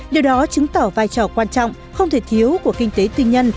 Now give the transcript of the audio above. điều đó chứng tỏ vai trò quan trọng không thể thiếu của kinh tế tư nhân